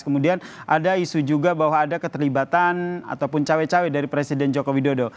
kemudian ada isu juga bahwa ada keterlibatan ataupun cawek cawek dari presiden jokowi dodo